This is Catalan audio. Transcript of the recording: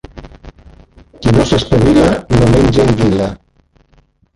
Qui no s'espavila, no menja anguila.